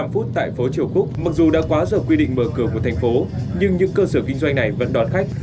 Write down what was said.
hai mươi một h bốn mươi năm tại phố triều quốc mặc dù đã quá giờ quy định mở cửa một thành phố nhưng những cơ sở kinh doanh này vẫn đón khách